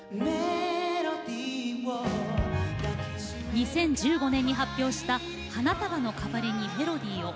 ２０１５年に発表した「花束のかわりにメロディーを」。